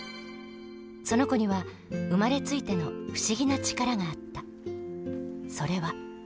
その子には生まれついての不思議な力があった。